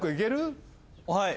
はい。